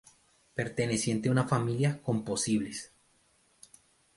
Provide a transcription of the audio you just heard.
Perteneciente a una familia con posibles.